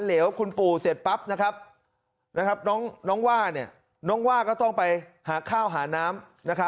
เหลวคุณปู่เสร็จปั๊บน้องว่าน้องว่าก็ต้องไปหาข้าวหาน้ำ